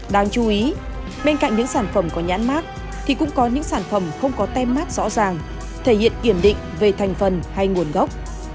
đáng chú ý bên cạnh những sản phẩm có nhãn mát thì cũng có những sản phẩm không có tem mát rõ ràng thể hiện kiểm định về thành phần hay nguồn gốc